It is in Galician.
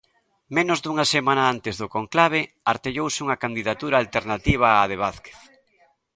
Menos dunha semana antes do conclave artellouse unha candidatura alternativa á de Vázquez.